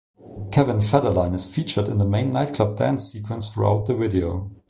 Kevin Federline is featured in the main nightclub dance sequence throughout the video.